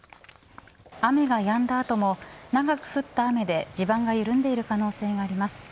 雨がやんだ後も長く降った雨で地盤が緩んでいる可能性があります。